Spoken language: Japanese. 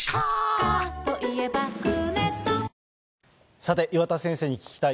さて、岩田先生に聞きたい